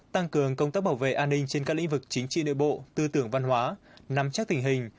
tăng cường công tác bảo vệ an ninh trên các lĩnh vực chính trị nội bộ tư tưởng văn hóa nắm chắc tình hình